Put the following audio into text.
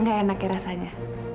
nggak enak ya rasanya